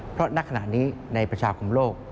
เพราะณขณะนี้ในประชาคมโลก